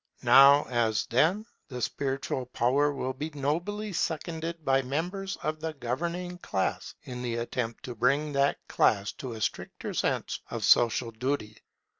Now, as then, the spiritual power will be nobly seconded by members of the governing class in the attempt to bring that class to a stricter sense of social duty.